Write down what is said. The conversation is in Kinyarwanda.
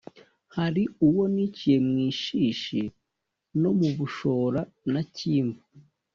hali uwo niciye mu ishishi no mu bushora na cyimbu,